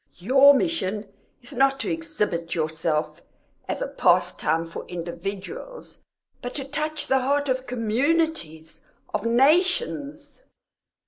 "Your mission is not to exhibit yourself as a pastime for individuals, but to touch the heart of communities, of nations."